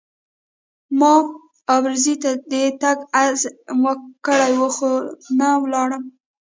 ما ابروزي ته د تګ عزم کړی وو خو نه ولاړم.